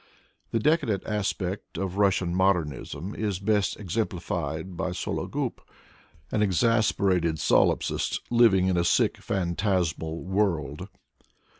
The decadent aspect of Russian modernism is best exemplified by Sologub, an exasperated solipsist, living in a sick, fantasmal world.